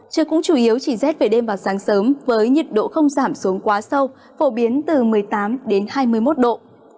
trời cũng chủ yếu chỉ rét về đêm và sáng sớm với nhiệt độ không giảm xuống quá sâu phổ biến từ một mươi tám đến hai mươi một độ